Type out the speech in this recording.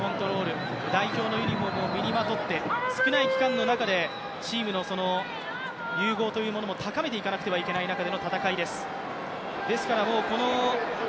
代表のユニフォームを身にまとって、チームの融合というものも高めていかなくてはいけない中での戦いです。